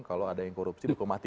kalau ada yang korupsi hukum mati